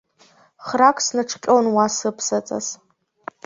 Храк снаҿҟьон уа сыԥсаҵас.